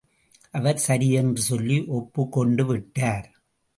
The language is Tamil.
அவர் சரி என்று சொல்லி ஒப்புக் கொண்டு விட்டார்.